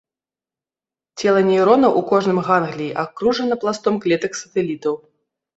Цела нейронаў у кожным гангліі акружана пластом клетак-сатэлітаў.